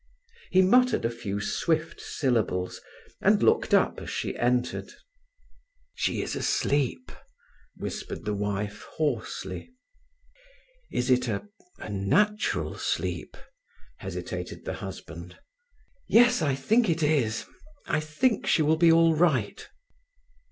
He muttered a few swift syllables, and looked up as she entered. "She is asleep," whispered the wife hoarsely. "Is it a—a natural sleep?" hesitated the husband. "Yes. I think it is. I think she will be all right."